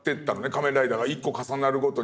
「仮面ライダー」が１個重なるごとに。